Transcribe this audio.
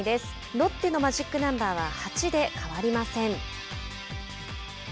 ロッテのマジックナンバーは８で変わりません。